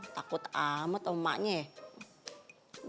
takut amat emaknya ya